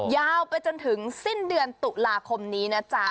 ยาวไปจนถึงสิ้นเดือนตุลาคมนี้นะจ๊ะ